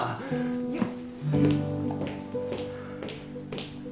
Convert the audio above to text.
よっ。